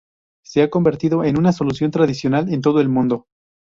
Se ha convertido en una solución tradicional en todo el mundo.